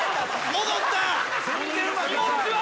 戻った。